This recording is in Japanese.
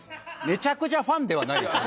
めちゃくちゃファンではないですね。